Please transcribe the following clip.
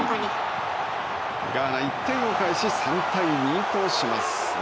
ガーナ、１点を返し３対２とします。